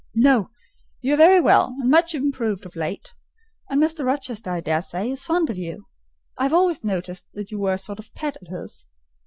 "No: you are very well; and much improved of late; and Mr. Rochester, I daresay, is fond of you. I have always noticed that you were a sort of pet of his.